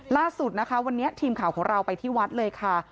ล่าสุดนะคะวันนี้ทีมข่าวของเราไปที่วัดเลยค่ะ